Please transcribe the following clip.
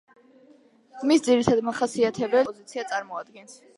მის ძირითად მახასიათებელს სამაფსიდიანი კომპოზიცია წარმოადგენს.